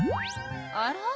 あら？